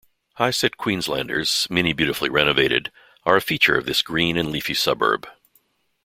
Highset Queenslanders, many beautifully renovated, are a feature of this green and leafy suburb.